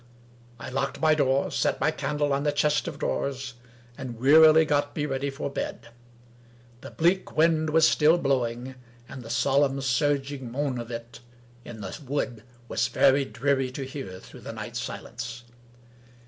I locked my door, set my candle on the chest of drawers, and wearily got me ready for bed. The bleak wind was still blowing, and the solemn, surging moan of it in the wood was very dreary to hear through the night silence.